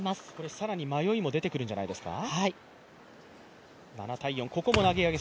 更に迷いも出てくるんじゃないですか。